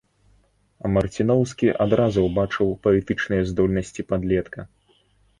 Марціноўскі адразу ўбачыў паэтычныя здольнасці падлетка.